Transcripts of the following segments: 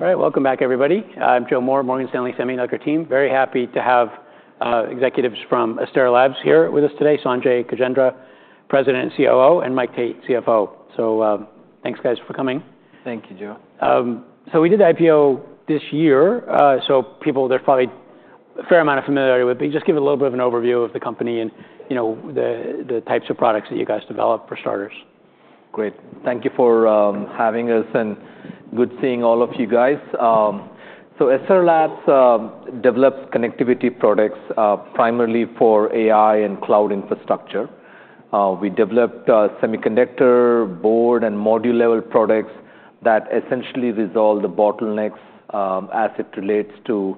All right, welcome back, everybody. I'm Joe Moore, Morgan Stanley Semiconductor team. Very happy to have executives from Astera Labs here with us today: Sanjay Gajendra, President and COO, and Mike Tate, CFO. So thanks, guys, for coming. Thank you, Joe. So we did the IPO this year, so people, there's probably a fair amount of familiarity with it. But just give a little bit of an overview of the company and the types of products that you guys develop, for starters. Great. Thank you for having us, and good seeing all of you guys. So Astera Labs develops connectivity products primarily for AI and cloud infrastructure. We developed semiconductor, board, and module-level products that essentially resolve the bottlenecks as it relates to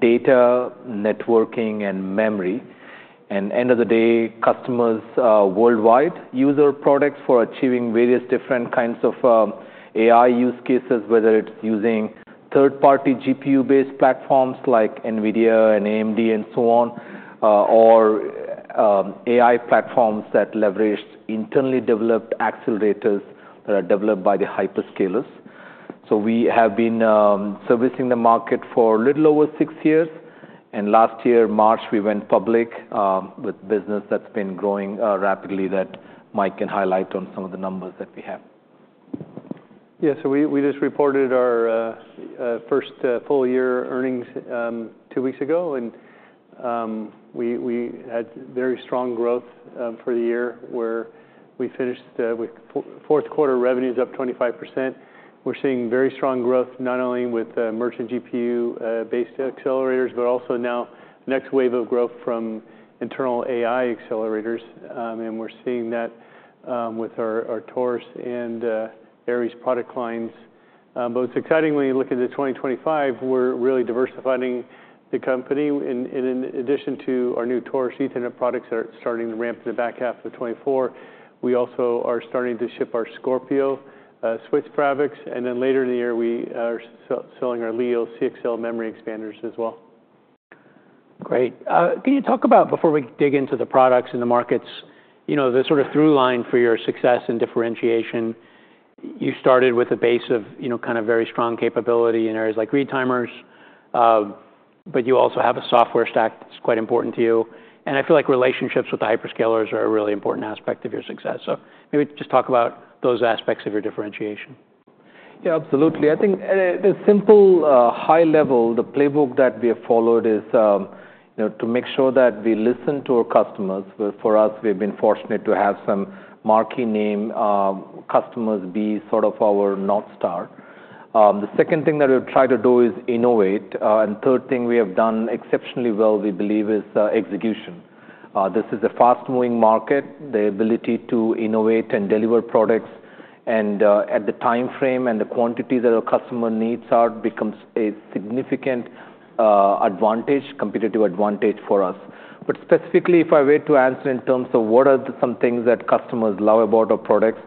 data, networking, and memory. And at the end of the day, customers worldwide use our products for achieving various different kinds of AI use cases, whether it's using third-party GPU-based platforms like NVIDIA and AMD, and so on, or AI platforms that leverage internally developed accelerators that are developed by the hyperscalers. So we have been servicing the market for a little over six years. And last year, March, we went public with business that's been growing rapidly that Mike can highlight on some of the numbers that we have. Yeah, so we just reported our first full-year earnings two weeks ago. And we had very strong growth for the year, where we finished with fourth-quarter revenues up 25%. We're seeing very strong growth not only with merchant GPU-based accelerators, but also now the next wave of growth from internal AI accelerators. And we're seeing that with our Taurus and Aries product lines. But excitingly, looking to 2025, we're really diversifying the company. And in addition to our new Taurus Ethernet products that are starting to ramp in the back half of 2024, we also are starting to ship our Scorpio switch fabrics. And then later in the year, we are selling our Leo CXL memory expanders as well. Great. Can you talk about, before we dig into the products and the markets, the sort of through line for your success and differentiation? You started with a base of kind of very strong capability in areas like Retimers, but you also have a software stack that's quite important to you. And I feel like relationships with the hyperscalers are a really important aspect of your success. So maybe just talk about those aspects of your differentiation. Yeah, absolutely. I think the simple high-level playbook that we have followed is to make sure that we listen to our customers. For us, we've been fortunate to have some marquee name customers be sort of our North Star. The second thing that we've tried to do is innovate, and the third thing we have done exceptionally well, we believe, is execution. This is a fast-moving market. The ability to innovate and deliver products at the time frame and the quantity that our customer needs. It becomes a significant advantage, competitive advantage for us. But specifically, if I were to answer in terms of what are some things that customers love about our products,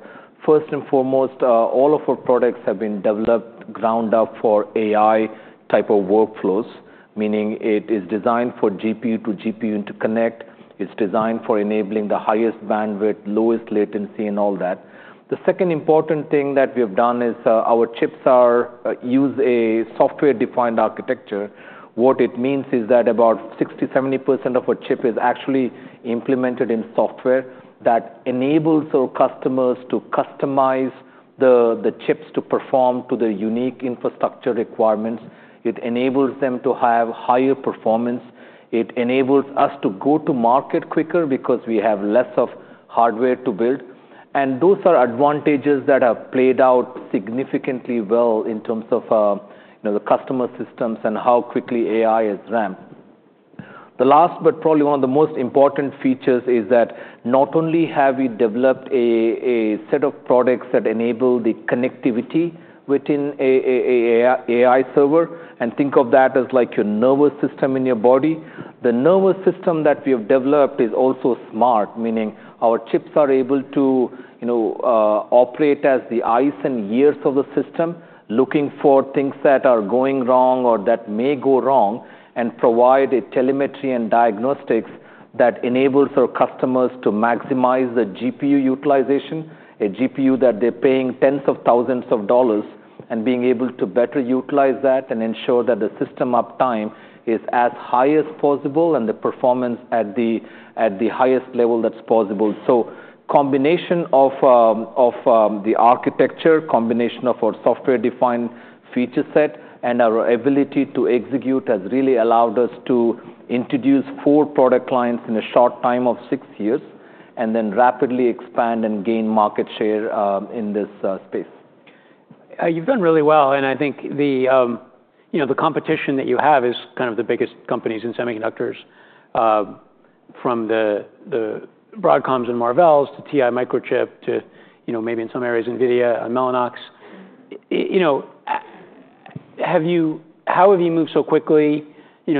first and foremost, all of our products have been developed from the ground up for AI type of workflows, meaning it is designed for GPU to GPU interconnect. It's designed for enabling the highest bandwidth, lowest latency, and all that. The second important thing that we have done is our chips use a software-defined architecture. What it means is that about 60%, 70% of our chip is actually implemented in software that enables our customers to customize the chips to perform to their unique infrastructure requirements. It enables them to have higher performance. It enables us to go to market quicker because we have less hardware to build. And those are advantages that have played out significantly well in terms of the customer systems and how quickly AI is ramped. The last, but probably one of the most important features is that not only have we developed a set of products that enable the connectivity within an AI server, and think of that as like your nervous system in your body, the nervous system that we have developed is also smart, meaning our chips are able to operate as the eyes and ears of the system, looking for things that are going wrong or that may go wrong, and provide telemetry and diagnostics that enables our customers to maximize the GPU utilization, a GPU that they're paying tens of thousands of dollars, and being able to better utilize that and ensure that the system uptime is as high as possible and the performance at the highest level that's possible. Combination of the architecture, combination of our software-defined feature set, and our ability to execute has really allowed us to introduce four product lines in a short time of six years, and then rapidly expand and gain market share in this space. You've done really well, and I think the competition that you have is kind of the biggest companies in semiconductors, from the Broadcom's and Marvell's to TI, Microchip to maybe in some areas NVIDIA and Mellanox. How have you moved so quickly?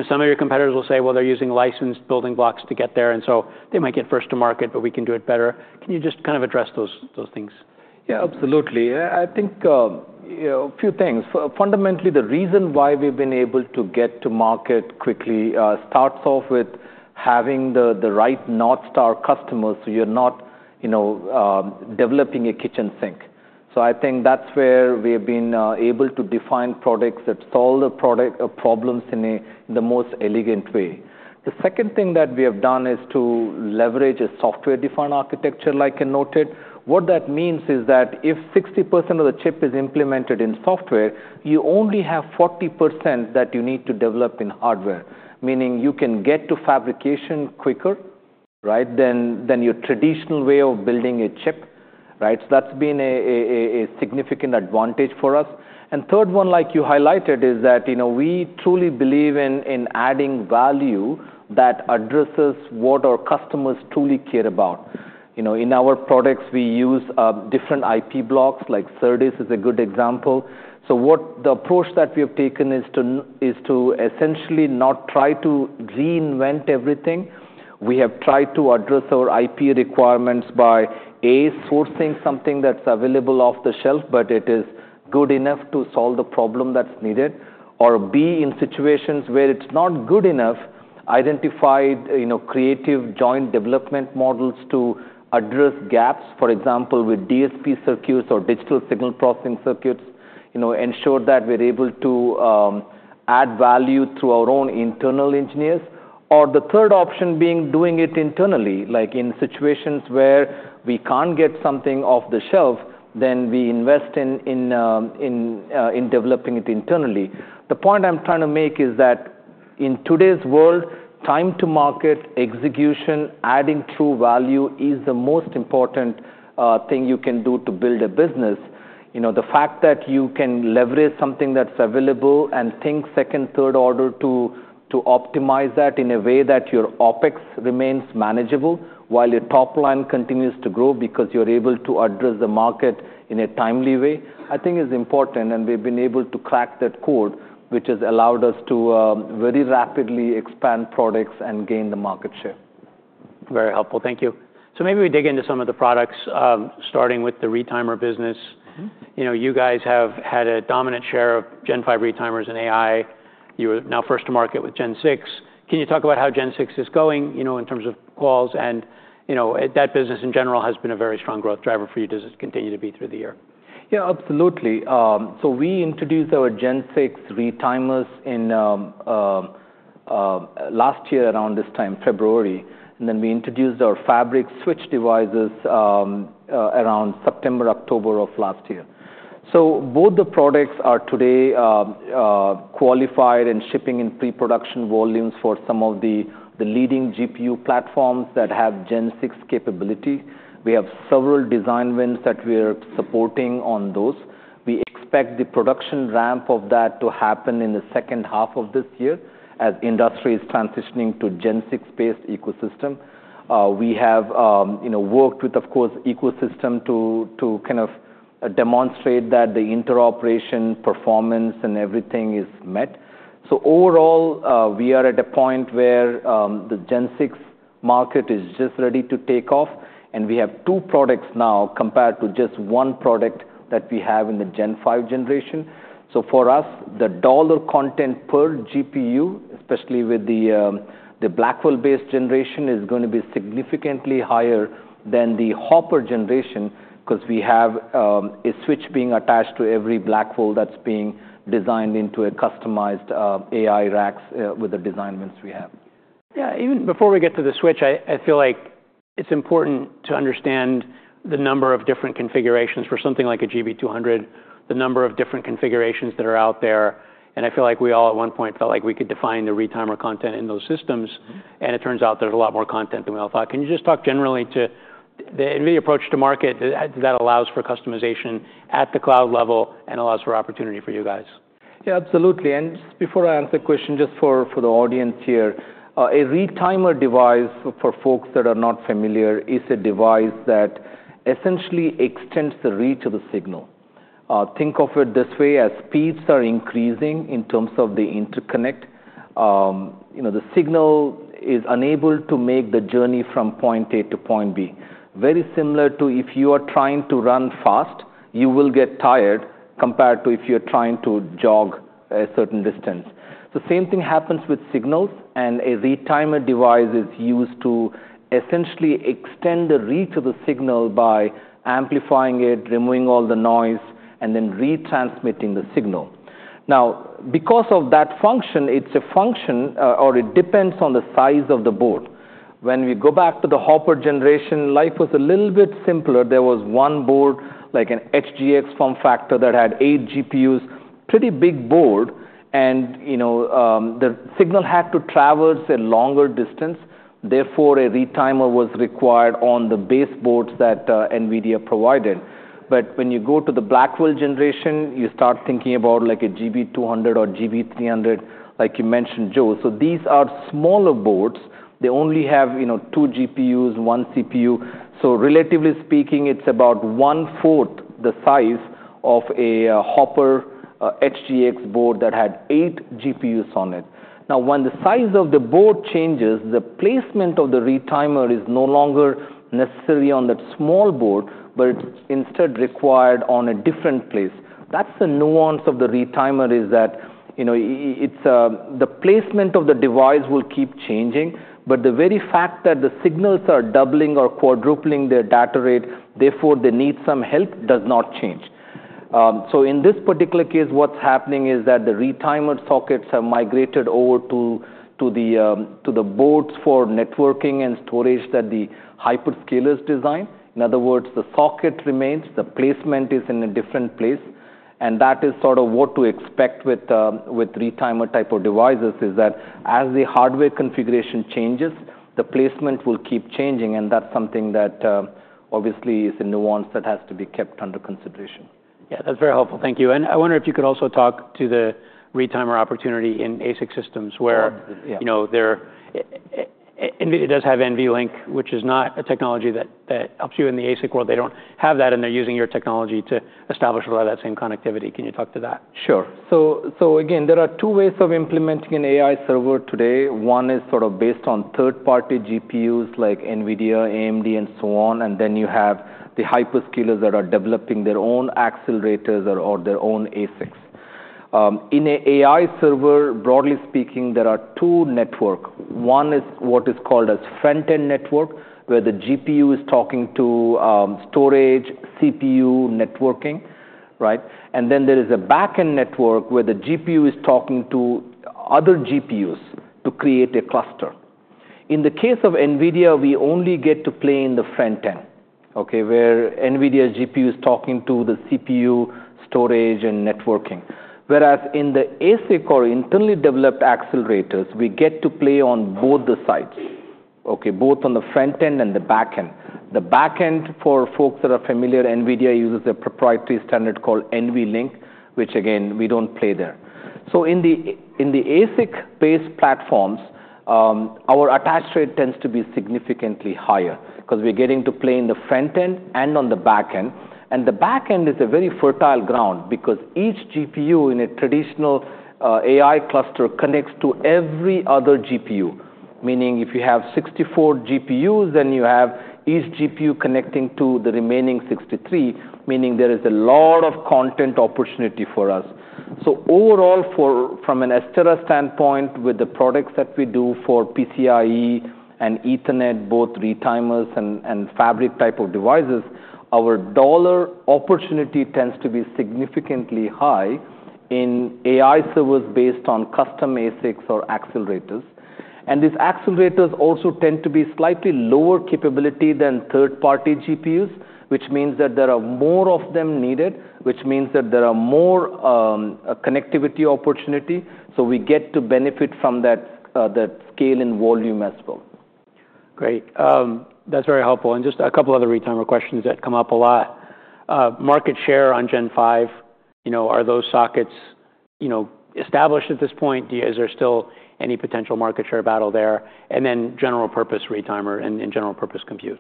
Some of your competitors will say, well, they're using licensed building blocks to get there, and so they might get first to market, but we can do it better. Can you just kind of address those things? Yeah, absolutely. I think a few things. Fundamentally, the reason why we've been able to get to market quickly starts off with having the right North Star customers so you're not developing a kitchen sink. So I think that's where we have been able to define products that solve the product problems in the most elegant way. The second thing that we have done is to leverage a software-defined architecture, like I noted. What that means is that if 60% of the chip is implemented in software, you only have 40% that you need to develop in hardware, meaning you can get to fabrication quicker than your traditional way of building a chip. So that's been a significant advantage for us. And third one, like you highlighted, is that we truly believe in adding value that addresses what our customers truly care about. In our products, we use different IP blocks. Like SerDes is a good example. So the approach that we have taken is to essentially not try to reinvent everything. We have tried to address our IP requirements by, A, sourcing something that's available off the shelf, but it is good enough to solve the problem that's needed, or, B, in situations where it's not good enough, identify creative joint development models to address gaps, for example, with DSP circuits or digital signal processing circuits, ensure that we're able to add value through our own internal engineers, or the third option being doing it internally. Like in situations where we can't get something off the shelf, then we invest in developing it internally. The point I'm trying to make is that in today's world, time to market, execution, adding true value is the most important thing you can do to build a business. The fact that you can leverage something that's available and think second, third order to optimize that in a way that your OpEx remains manageable while your top line continues to grow because you're able to address the market in a timely way, I think is important. And we've been able to crack that code, which has allowed us to very rapidly expand products and gain the market share. Very helpful. Thank you. So maybe we dig into some of the products, starting with the Retimer business. You guys have had a dominant share of Gen 5 Retimers and AI. You are now first to market with Gen 6. Can you talk about how Gen 6 is going in terms of calls? And that business, in general, has been a very strong growth driver for you to continue to be through the year. Yeah, absolutely. So we introduced our Gen 6 Retimers last year around this time, February. And then we introduced our fabric switch devices around September, October of last year. So both the products are today qualified and shipping in pre-production volumes for some of the leading GPU platforms that have Gen 6 capability. We have several design wins that we are supporting on those. We expect the production ramp of that to happen in the second half of this year as industry is transitioning to Gen 6-based ecosystem. We have worked with, of course, ecosystem to kind of demonstrate that the interoperation performance and everything is met. So overall, we are at a point where the Gen 6 market is just ready to take off. And we have two products now compared to just one product that we have in the Gen 5 generation. So for us, the dollar content per GPU, especially with the Blackwell-based generation, is going to be significantly higher than the Hopper generation because we have a switch being attached to every Blackwell that's being designed into a customized AI racks with the design wins we have. Yeah, even before we get to the switch, I feel like it's important to understand the number of different configurations for something like a GB200, the number of different configurations that are out there. And I feel like we all at one point felt like we could define the retimer content in those systems. And it turns out there's a lot more content than we all thought. Can you just talk generally to the approach to market that allows for customization at the cloud level and allows for opportunity for you guys? Yeah, absolutely. And just before I answer the question, just for the audience here, a retimer device for folks that are not familiar is a device that essentially extends the reach of the signal. Think of it this way: as speeds are increasing in terms of the interconnect, the signal is unable to make the journey from point A to point B. Very similar to if you are trying to run fast, you will get tired compared to if you're trying to jog a certain distance. So the same thing happens with signals. And a retimer device is used to essentially extend the reach of the signal by amplifying it, removing all the noise, and then retransmitting the signal. Now, because of that function, it's a function or it depends on the size of the board. When we go back to the Hopper generation, life was a little bit simpler. There was one board, like an HGX form factor that had eight GPUs, pretty big board, and the signal had to traverse a longer distance. Therefore, a retimer was required on the base boards that NVIDIA provided, but when you go to the Blackwell generation, you start thinking about like a GB200 or GB300, like you mentioned, Joe. These are smaller boards. They only have two GPUs, one CPU. So relatively speaking, it's about one-fourth the size of a Hopper HGX board that had eight GPUs on it. Now, when the size of the board changes, the placement of the retimer is no longer necessary on that small board, but it's instead required on a different place. That's the nuance of the retimer is that the placement of the device will keep changing, but the very fact that the signals are doubling or quadrupling their data rate, therefore they need some help, does not change. So in this particular case, what's happening is that the retimer sockets have migrated over to the boards for networking and storage that the hyperscalers design. In other words, the socket remains, the placement is in a different place. And that is sort of what to expect with retimer type of devices is that as the hardware configuration changes, the placement will keep changing. And that's something that obviously is a nuance that has to be kept under consideration. Yeah, that's very helpful. Thank you, and I wonder if you could also talk to the retimer opportunity in ASIC systems where NVIDIA does have NVLink, which is not a technology that helps you in the ASIC world. They don't have that, and they're using your technology to establish a lot of that same connectivity. Can you talk to that? Sure. So again, there are two ways of implementing an AI server today. One is sort of based on third-party GPUs like NVIDIA, AMD, and so on. And then you have the hyperscalers that are developing their own accelerators or their own ASICs. In an AI server, broadly speaking, there are two networks. One is what is called a front-end network, where the GPU is talking to storage, CPU, networking. And then there is a back-end network where the GPU is talking to other GPUs to create a cluster. In the case of NVIDIA, we only get to play in the front-end, where NVIDIA's GPU is talking to the CPU, storage, and networking. Whereas in the ASIC or internally developed accelerators, we get to play on both the sides, both on the front-end and the back-end. The back-end, for folks that are familiar, NVIDIA uses a proprietary standard called NVLink, which again, we don't play there. So in the ASIC-based platforms, our attach rate tends to be significantly higher because we're getting to play in the front-end and on the back-end. And the back-end is a very fertile ground because each GPU in a traditional AI cluster connects to every other GPU, meaning if you have 64 GPUs, then you have each GPU connecting to the remaining 63, meaning there is a lot of connectivity opportunity for us. So overall, from an Astera standpoint, with the products that we do for PCIe and Ethernet, both Retimers and fabric type of devices, our dollar opportunity tends to be significantly high in AI servers based on custom ASICs or accelerators. And these accelerators also tend to be slightly lower capability than third-party GPUs, which means that there are more of them needed, which means that there are more connectivity opportunity. So we get to benefit from that scale and volume as well. Great. That's very helpful. And just a couple of other Retimer questions that come up a lot. Market share on Gen 5, are those sockets established at this point? Is there still any potential market share battle there? And then general-purpose Retimer and general-purpose compute.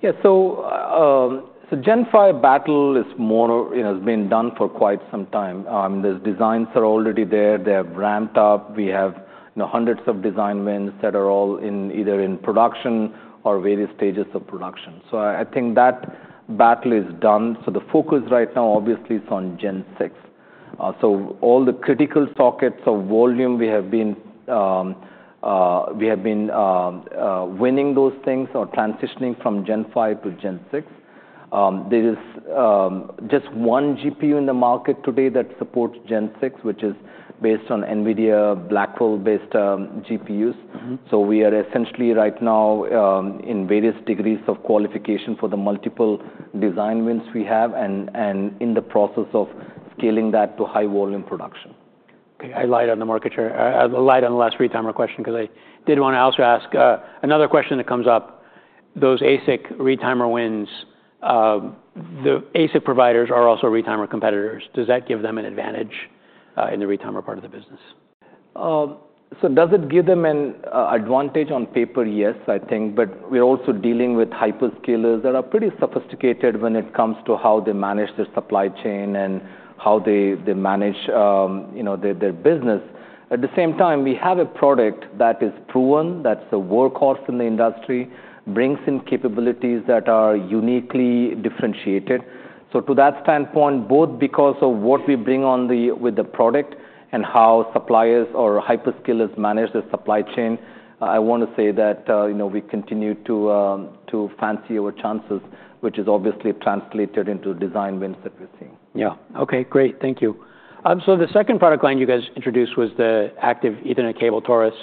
Yeah, so the Gen 5 battle has been done for quite some time. Those designs are already there. They have ramped up. We have hundreds of design wins that are all either in production or various stages of production. So I think that battle is done. So the focus right now, obviously, is on Gen 6. So all the critical sockets of volume, we have been winning those things or transitioning from Gen 5 to Gen 6. There is just one GPU in the market today that supports Gen 6, which is based on NVIDIA Blackwell-based GPUs. So we are essentially right now in various degrees of qualification for the multiple design wins we have and in the process of scaling that to high-volume production. to [touch] on the market share. I'd like to [touch] on the last Retimer question because I did want to also ask another question that comes up. Those ASIC Retimer wins, the ASIC providers are also Retimer competitors. Does that give them an advantage in the Retimer part of the business? So does it give them an advantage on paper? Yes, I think. But we're also dealing with hyperscalers that are pretty sophisticated when it comes to how they manage their supply chain and how they manage their business. At the same time, we have a product that is proven, that's a workhorse in the industry, brings in capabilities that are uniquely differentiated. So to that standpoint, both because of what we bring with the product and how suppliers or hyperscalers manage their supply chain, I want to say that we continue to fancy our chances, which is obviously translated into design wins that we're seeing. Yeah. OK, great. Thank you, so the second product line you guys introduced was the active Ethernet cable Taurus.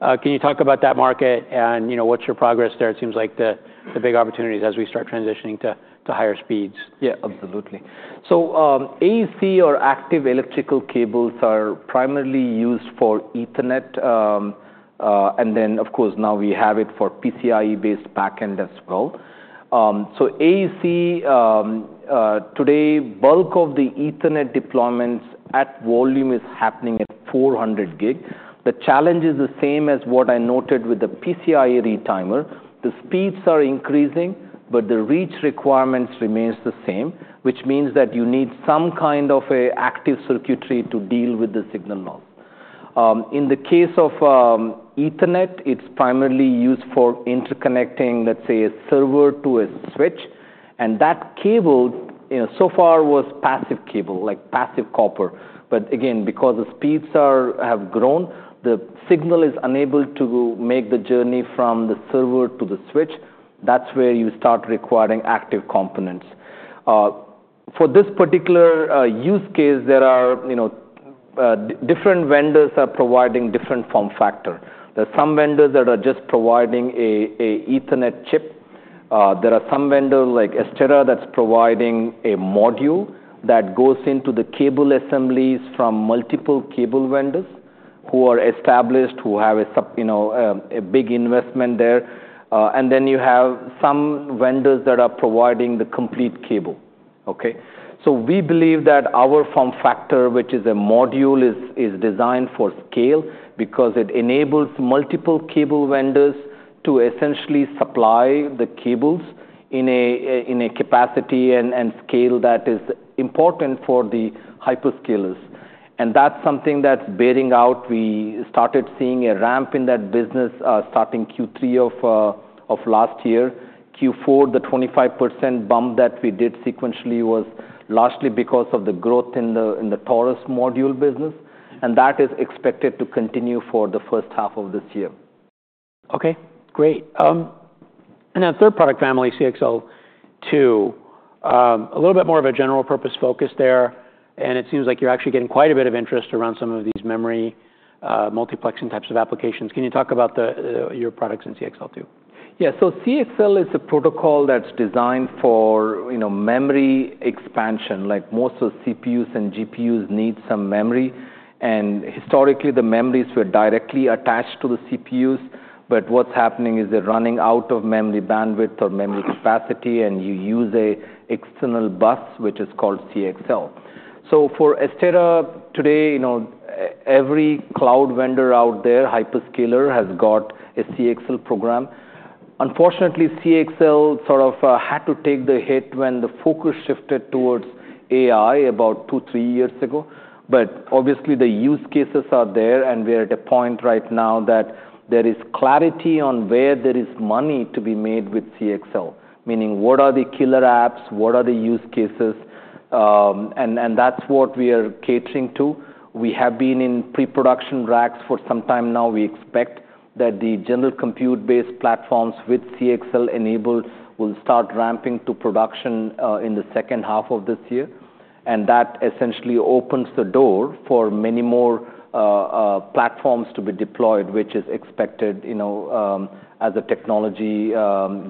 Can you talk about that market and what's your progress there? It seems like the big opportunities as we start transitioning to higher speeds. Yeah, absolutely. So AEC or active electrical cables are primarily used for Ethernet. And then, of course, now we have it for PCIe-based back-end as well. So AEC, today, bulk of the Ethernet deployments at volume is happening at 400 gig. The challenge is the same as what I noted with the PCIe retimer. The speeds are increasing, but the reach requirements remain the same, which means that you need some kind of an active circuitry to deal with the signal loss. In the case of Ethernet, it's primarily used for interconnecting, let's say, a server to a switch. And that cable so far was passive cable, like passive copper. But again, because the speeds have grown, the signal is unable to make the journey from the server to the switch. That's where you start requiring active components. For this particular use case, there are different vendors providing different form factors. There are some vendors that are just providing an Ethernet chip. There are some vendors like Astera that's providing a module that goes into the cable assemblies from multiple cable vendors who are established, who have a big investment there. And then you have some vendors that are providing the complete cable. So we believe that our form factor, which is a module, is designed for scale because it enables multiple cable vendors to essentially supply the cables in a capacity and scale that is important for the hyperscalers. And that's something that's bearing out. We started seeing a ramp in that business starting Q3 of last year. Q4, the 25% bump that we did sequentially was largely because of the growth in the Taurus module business. That is expected to continue for the first half of this year. OK, great, and then third product family, CXL 2.0, a little bit more of a general-purpose focus there, and it seems like you're actually getting quite a bit of interest around some of these memory multiplexing types of applications. Can you talk about your products in CXL 2.0? Yeah, so CXL is a protocol that's designed for memory expansion. Like, most of the CPUs and GPUs need some memory. And historically, the memories were directly attached to the CPUs. But what's happening is they're running out of memory bandwidth or memory capacity, and you use an external bus, which is called CXL. So for Astera today, every cloud vendor out there, hyperscaler, has got a CXL program. Unfortunately, CXL sort of had to take the hit when the focus shifted towards AI about two, three years ago. But obviously, the use cases are there. And we're at a point right now that there is clarity on where there is money to be made with CXL, meaning what are the killer apps, what are the use cases. And that's what we are catering to. We have been in pre-production racks for some time now. We expect that the general compute-based platforms with CXL enabled will start ramping to production in the second half of this year, and that essentially opens the door for many more platforms to be deployed, which is expected as the technology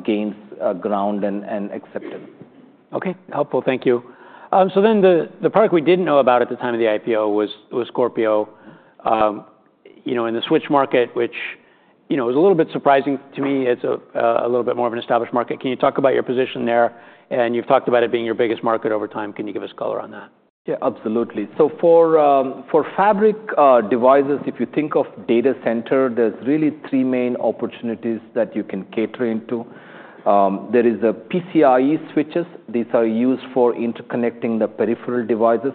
gains ground and acceptance. OK, helpful. Thank you. So then the product we didn't know about at the time of the IPO was Scorpio. In the switch market, which was a little bit surprising to me, it's a little bit more of an established market. Can you talk about your position there? And you've talked about it being your biggest market over time. Can you give us color on that? Yeah, absolutely. So for fabric devices, if you think of data center, there's really three main opportunities that you can cater into. There are the PCIe switches. These are used for interconnecting the peripheral devices.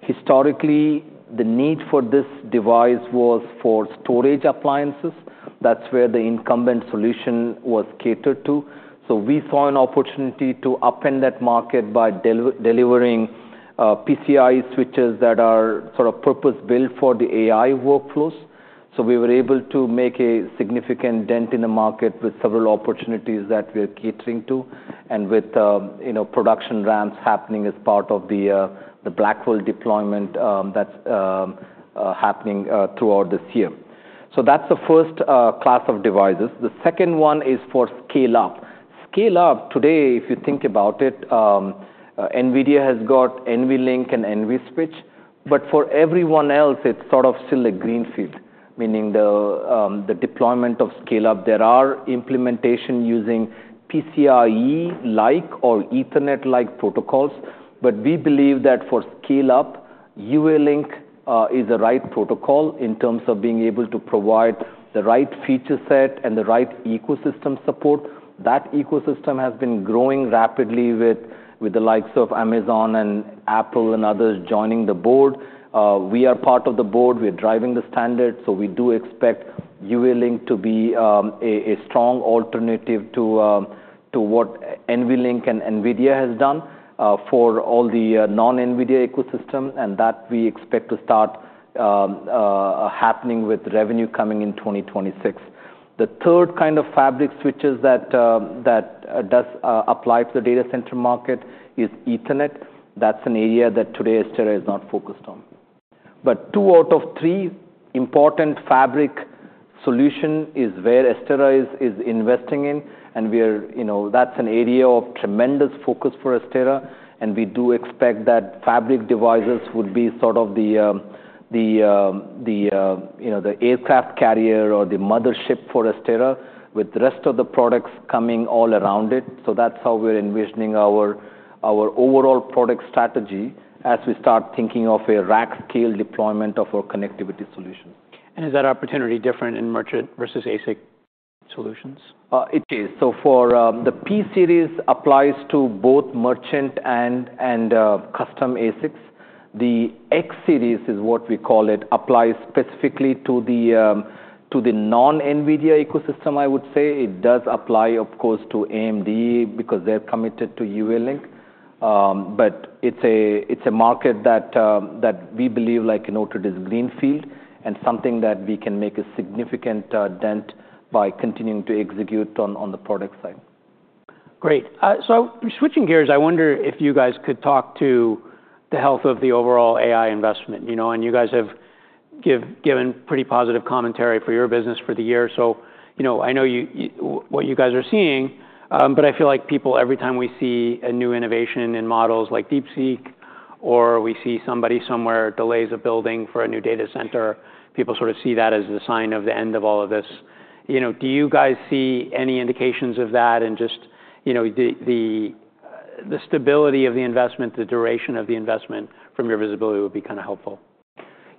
Historically, the need for this device was for storage appliances. That's where the incumbent solution was catered to. So we saw an opportunity to upend that market by delivering PCIe switches that are sort of purpose-built for the AI workflows. So we were able to make a significant dent in the market with several opportunities that we're catering to and with production ramps happening as part of the Blackwell deployment that's happening throughout this year. So that's the first class of devices. The second one is for scale-up. Scale-up today, if you think about it, NVIDIA has got NVLink and NVSwitch. But for everyone else, it's sort of still a greenfield, meaning the deployment of scale-up. There are implementations using PCIe-like or Ethernet-like protocols. But we believe that for scale-up, UALink is the right protocol in terms of being able to provide the right feature set and the right ecosystem support. That ecosystem has been growing rapidly with the likes of Amazon and Apple and others joining the board. We are part of the board. We're driving the standard. So we do expect UALink to be a strong alternative to what NVLink and NVIDIA has done for all the non-NVIDIA ecosystem. And that we expect to start happening with revenue coming in 2026. The third kind of fabric switches that does apply to the data center market is Ethernet. That's an area that today Astera is not focused on. Two out of three important fabric solutions is where Astera is investing in. That's an area of tremendous focus for Astera. We do expect that fabric devices would be sort of the aircraft carrier or the mothership for Astera, with the rest of the products coming all around it. That's how we're envisioning our overall product strategy as we start thinking of a rack-scale deployment of our connectivity solutions. Is that opportunity different in merchant versus ASIC solutions? It is. So for the P series, it applies to both merchant and custom ASICs. The X series is what we call it applies specifically to the non-NVIDIA ecosystem, I would say. It does apply, of course, to AMD because they're committed to UA-Link. But it's a market that we believe in order to this greenfield and something that we can make a significant dent by continuing to execute on the product side. Great, so switching gears, I wonder if you guys could talk to the health of the overall AI investment, and you guys have given pretty positive commentary for your business for the year, so I know what you guys are seeing, but I feel like people, every time we see a new innovation in models like DeepSeek, or we see somebody somewhere delays a building for a new data center, people sort of see that as the sign of the end of all of this. Do you guys see any indications of that, and just the stability of the investment, the duration of the investment, from your visibility, would be kind of helpful.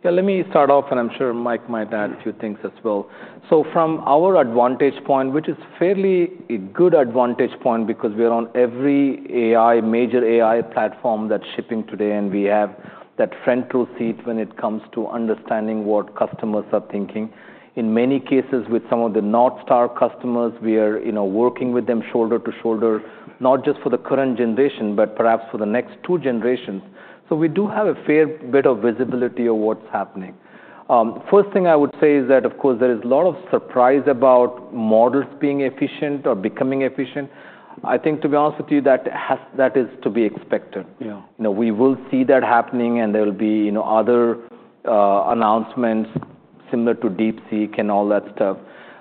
Yeah, let me start off, and I'm sure Mike might add a few things as well. From our vantage point, which is fairly a good vantage point because we're on every major AI platform that's shipping today, and we have that front row seat when it comes to understanding what customers are thinking. In many cases, with some of the North Star customers, we are working with them shoulder to shoulder, not just for the current generation, but perhaps for the next two generations. We do have a fair bit of visibility of what's happening. First thing I would say is that, of course, there is a lot of surprise about models being efficient or becoming efficient. I think, to be honest with you, that is to be expected. We will see that happening, and there will be other announcements similar to DeepSeek and all that stuff.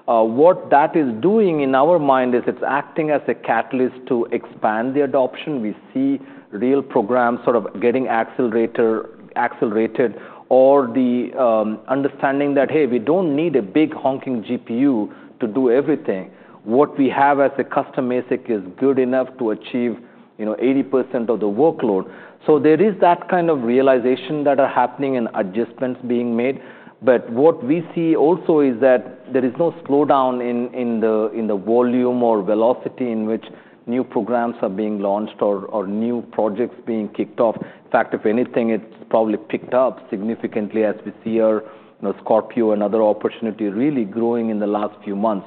What that is doing in our mind is it's acting as a catalyst to expand the adoption. We see real programs sort of getting accelerated or the understanding that, hey, we don't need a big honking GPU to do everything. What we have as a custom ASIC is good enough to achieve 80% of the workload. So there is that kind of realization that is happening and adjustments being made. But what we see also is that there is no slowdown in the volume or velocity in which new programs are being launched or new projects being kicked off. In fact, if anything, it's probably picked up significantly as we see Scorpio and other opportunities really growing in the last few months.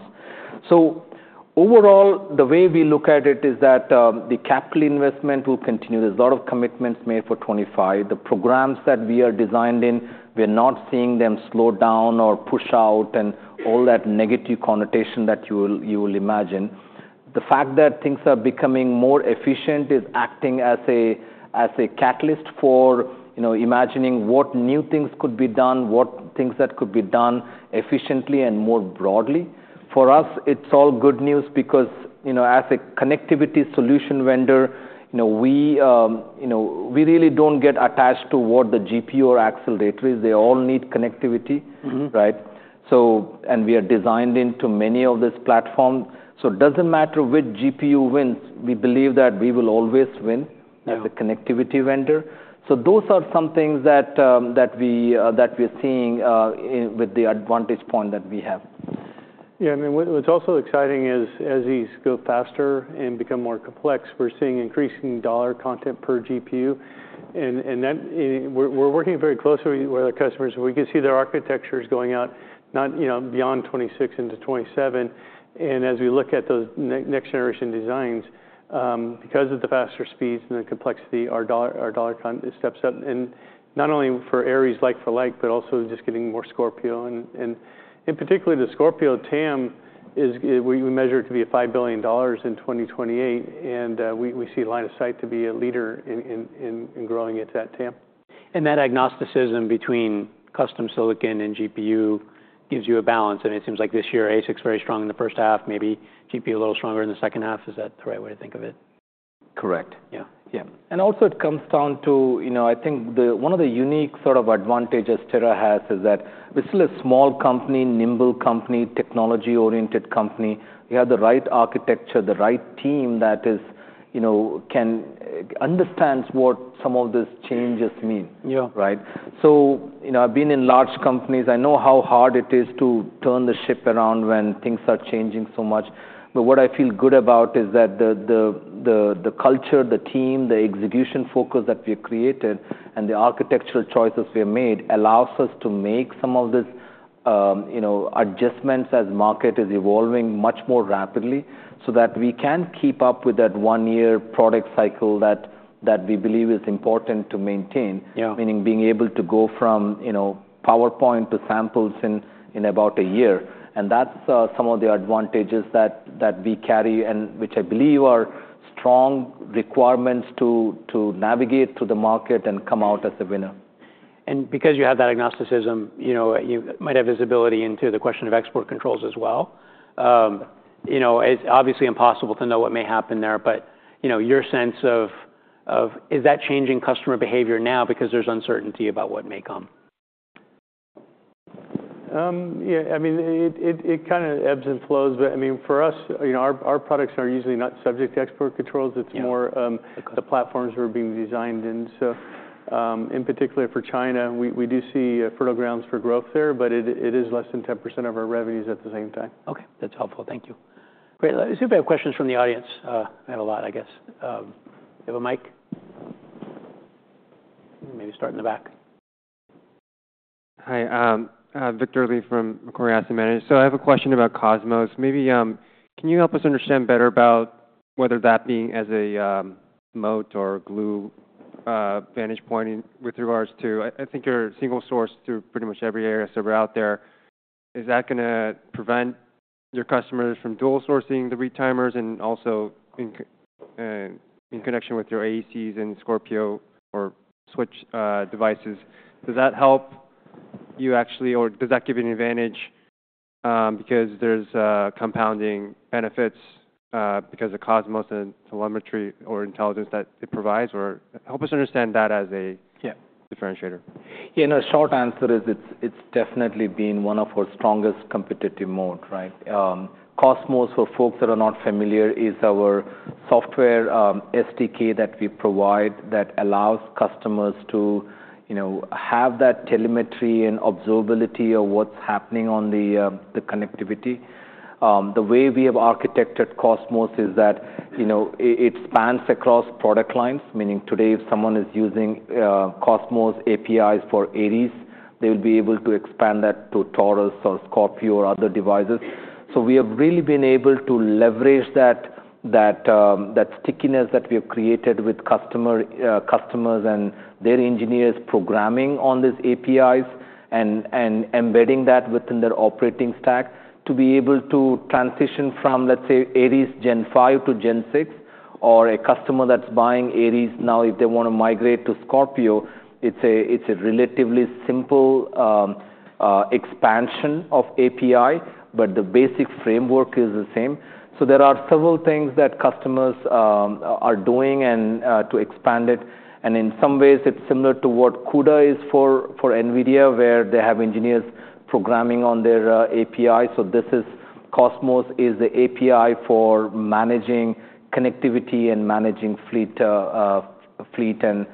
So overall, the way we look at it is that the capital investment will continue. There's a lot of commitments made for 2025. The programs that we are designed in, we're not seeing them slow down or push out, and all that negative connotation that you will imagine. The fact that things are becoming more efficient is acting as a catalyst for imagining what new things could be done, what things that could be done efficiently and more broadly. For us, it's all good news because as a connectivity solution vendor, we really don't get attached to what the GPU or accelerator is. They all need connectivity, and we are designed into many of these platforms, so it doesn't matter which GPU wins. We believe that we will always win as a connectivity vendor, so those are some things that we are seeing with the vantage point that we have. Yeah, and what's also exciting is as these go faster and become more complex, we're seeing increasing dollar content per GPU. And we're working very closely with our customers. We can see their architectures going out beyond 2026 into 2027. And as we look at those next-generation designs, because of the faster speeds and the complexity, our dollar steps up. And not only for Aries like for like, but also just getting more Scorpio. And in particular, the Scorpio TAM, we measure it to be $5 billion in 2028. And we see line of sight to be a leader in growing its TAM. And that agnosticism between custom silicon and GPU gives you a balance. And it seems like this year, ASIC's very strong in the first half, maybe GPU a little stronger in the second half. Is that the right way to think of it? Correct. Yeah, and also it comes down to, I think, one of the unique sort of advantages Astera has is that we're still a small company, nimble company, technology-oriented company. We have the right architecture, the right team that understands what some of these changes mean. So I've been in large companies. I know how hard it is to turn the ship around when things are changing so much. But what I feel good about is that the culture, the team, the execution focus that we created, and the architectural choices we have made allows us to make some of these adjustments as the market is evolving much more rapidly so that we can keep up with that one-year product cycle that we believe is important to maintain, meaning being able to go from PowerPoint to samples in about a year. That's some of the advantages that we carry, which I believe are strong requirements to navigate through the market and come out as a winner. Because you have that agnosticism, you might have visibility into the question of export controls as well. It's obviously impossible to know what may happen there. Your sense of, is that changing customer behavior now because there's uncertainty about what may come? Yeah, I mean, it kind of ebbs and flows. But I mean, for us, our products are usually not subject to export controls. It's more the platforms we're being designed in. So in particular for China, we do see fertile grounds for growth there. But it is less than 10% of our revenues at the same time. OK, that's helpful. Thank you. Great. Let's see if we have questions from the audience. We have a lot, I guess. Do you have a mic? Maybe start in the back. Hi, Victor Lee from Macquarie Asset Management. So I have a question about Cosmos. Maybe can you help us understand better about whether that being as a moat or glue vantage point with regards to, I think, your single source through pretty much every area that's around there. Is that going to prevent your customers from dual sourcing the Retimers and also in connection with your AECs and Scorpio or switch devices? Does that help you actually, or does that give you an advantage because there's compounding benefits because of Cosmos and telemetry or intelligence that it provides, or help us understand that as a differentiator. Yeah, and a short answer is it's definitely been one of our strongest competitive moats. Cosmos, for folks that are not familiar, is our software SDK that we provide that allows customers to have that telemetry and observability of what's happening on the connectivity. The way we have architected Cosmos is that it spans across product lines. Meaning today, if someone is using Cosmos APIs for Aries, they will be able to expand that to Taurus or Scorpio or other devices. So we have really been able to leverage that stickiness that we have created with customers and their engineers programming on these APIs and embedding that within their operating stack to be able to transition from, let's say, Aries Gen 5 to Gen 6. Or a customer that's buying Aries now, if they want to migrate to Scorpio, it's a relatively simple expansion of API. But the basic framework is the same. So there are several things that customers are doing to expand it. And in some ways, it's similar to what CUDA is for NVIDIA, where they have engineers programming on their API. So Cosmos is the API for managing connectivity and managing fleet and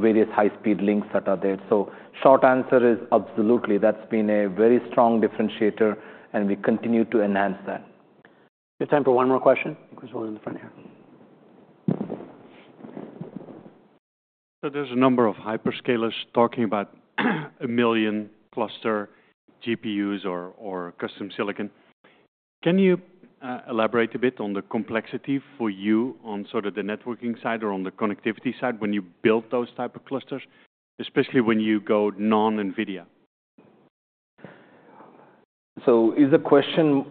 various high-speed links that are there. So short answer is absolutely, that's been a very strong differentiator. And we continue to enhance that. We have time for one more question. I think there's one in the front here. So there's a number of hyperscalers talking about a million cluster GPUs or custom silicon. Can you elaborate a bit on the complexity for you on sort of the networking side or on the connectivity side when you build those types of clusters, especially when you go non-NVIDIA? So is the question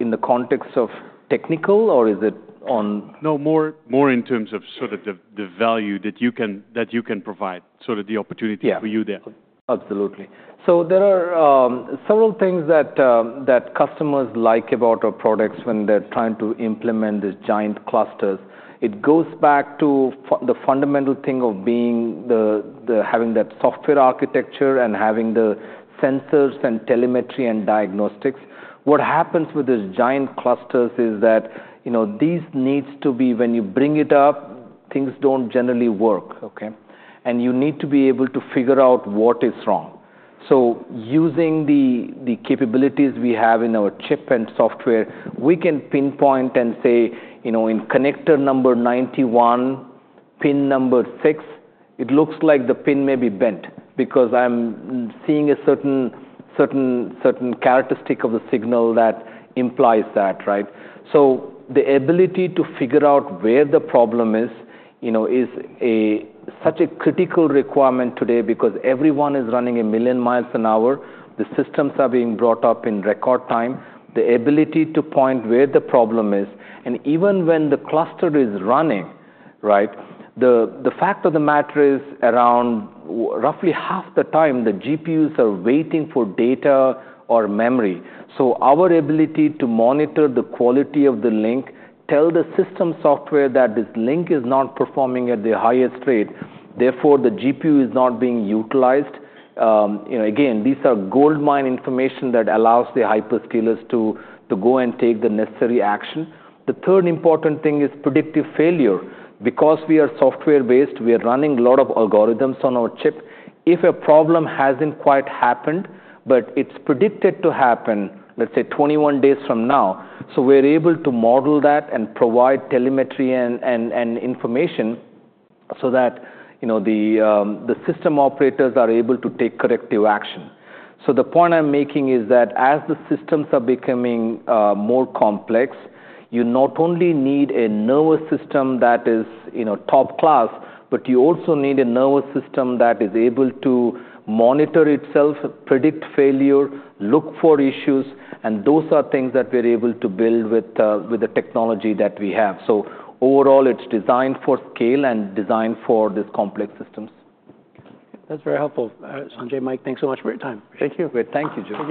in the context of technical, or is it on? No, more in terms of sort of the value that you can provide, sort of the opportunity for you there. Absolutely. So there are several things that customers like about our products when they're trying to implement these giant clusters. It goes back to the fundamental thing of having that software architecture and having the sensors and telemetry and diagnostics. What happens with these giant clusters is that these need to be, when you bring it up, things don't generally work. And you need to be able to figure out what is wrong. So using the capabilities we have in our chip and software, we can pinpoint and say, in connector number 91, pin number six, it looks like the pin may be bent because I'm seeing a certain characteristic of the signal that implies that. So the ability to figure out where the problem is is such a critical requirement today because everyone is running a million miles an hour. The systems are being brought up in record time. The ability to point where the problem is and even when the cluster is running, the fact of the matter is around roughly half the time the GPUs are waiting for data or memory, so our ability to monitor the quality of the link, tell the system software that this link is not performing at the highest rate. Therefore, the GPU is not being utilized. Again, these are goldmine information that allows the hyperscalers to go and take the necessary action. The third important thing is predictive failure. Because we are software-based, we are running a lot of algorithms on our chip. If a problem hasn't quite happened, but it's predicted to happen, let's say, 21 days from now, so we're able to model that and provide telemetry and information so that the system operators are able to take corrective action. So the point I'm making is that as the systems are becoming more complex, you not only need a nervous system that is top class, but you also need a nervous system that is able to monitor itself, predict failure, look for issues. And those are things that we're able to build with the technology that we have. So overall, it's designed for scale and designed for these complex systems. That's very helpful. Sanjay, Mike, thanks so much for your time. Thank you. Thank you, Joe.